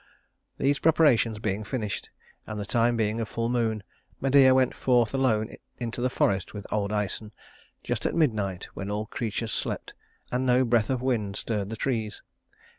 These preparations being finished, and the time being full moon, Medea went forth alone into the forest with old Æson, just at midnight when all creatures slept, and no breath of wind stirred the trees.